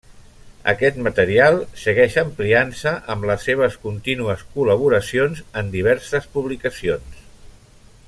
Aquest material segueix ampliant-se amb les seves contínues col·laboracions en diverses publicacions.